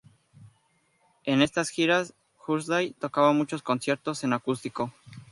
En estas giras, Thursday tocaba muchos conciertos en acústico.